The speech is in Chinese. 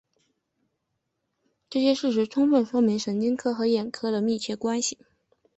这些事实充分说明神经科和眼科的密切关系。